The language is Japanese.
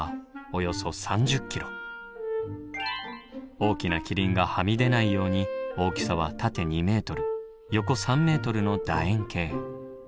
大きなキリンがはみ出ないように大きさは縦２ｍ横３ｍのだ円形。